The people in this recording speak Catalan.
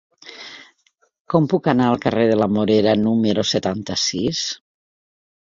Com puc anar al carrer de la Morera número setanta-sis?